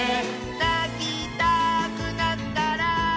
「なきたくなったら」